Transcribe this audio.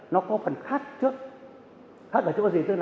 nó có phần khác trước